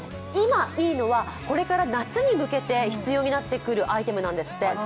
今いいのは、これから夏に向けて必要になってくるアイテムなんですって。